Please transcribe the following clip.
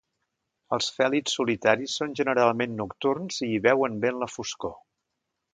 Els fèlids solitaris són generalment nocturns i veuen bé en la foscor.